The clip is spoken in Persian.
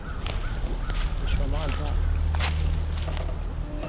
به شمال رفت.